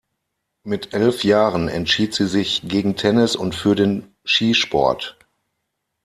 Mit elf Jahren entschied sie sich gegen Tennis und für den Skisport.